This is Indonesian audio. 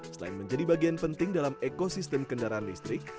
selain menjadi bagian penting dalam ekosistem kendaraan listrik